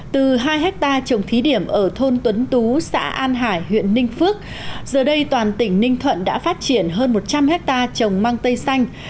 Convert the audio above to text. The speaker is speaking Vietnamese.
từ hai hectare trồng thí điểm ở thôn tuấn tú xã an hải huyện ninh phước giờ đây toàn tỉnh ninh thuận đã phát triển hơn một trăm linh hectare trồng mang tây xanh